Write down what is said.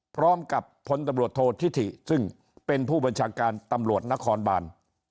พร้อมกับพลตำรวจโทษธิซึ่งเป็นผู้บัญชาการตำรวจนครบาน